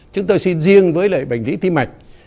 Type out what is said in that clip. chúng tôi xin riêng với lại bệnh lý tim mạch